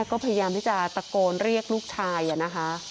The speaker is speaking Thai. ก็พยายามที่จะตะโกนเรียกลูกชายนะคะ